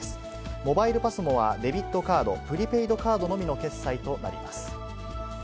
モバイルＰＡＳＭＯは、デビットカード、プリペイドカードのみの決済となります。